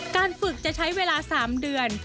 การฝึกจะใช้เวลา๓เดือน